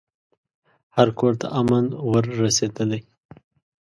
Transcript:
هر کورته امن ور رسېدلی